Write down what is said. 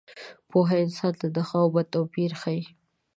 پوهه انسان ته د ښه او بد توپیر ښيي.